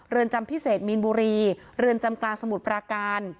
จำพิเศษมีนบุรีเรือนจำกลางสมุทรปราการ